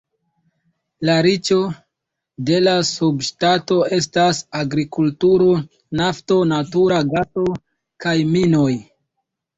La riĉo de la subŝtato estas agrikulturo, nafto, natura gaso kaj minoj.